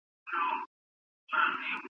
تاسي تل د نېکو اعمالو هڅه کوئ.